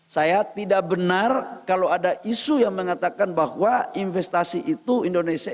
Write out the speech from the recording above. saya tidak benar kalau ada isu yang mengatakan bahwa investasi itu indonesia